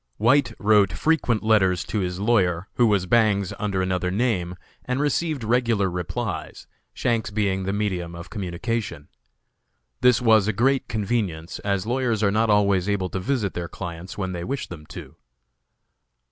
White wrote frequent letters to his lawyer, who was Bangs, under another name, and received regular replies, Shanks being the medium of communication. This was a great convenience, as lawyers are not always able to visit their clients when they wish them to.